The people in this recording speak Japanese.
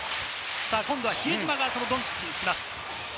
比江島がドンチッチにつきます。